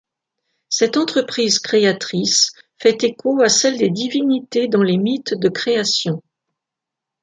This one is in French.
Cette entreprise créatrice fait écho à celle des divinités dans les mythes de création.